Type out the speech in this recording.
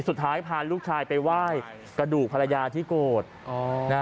สุดท้ายพาลูกชายไปไหว้กระดูกภรรยาที่โกรธ